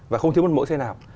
và không thiếu một mẫu xe nào